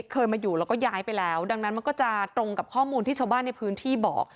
เคยมาอยู่แล้วก็ย้ายไปแล้วดังนั้นมันก็จะตรงกับข้อมูลที่ชาวบ้านในพื้นที่บอก